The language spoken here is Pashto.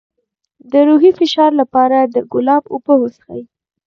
د روحي فشار لپاره د ګلاب اوبه وڅښئ